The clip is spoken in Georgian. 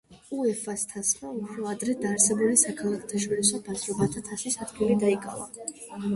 უეფა-ს თასმა უფრო ადრე დაარსებული საქალაქთაშორისო ბაზრობათა თასის ადგილი დაიკავა.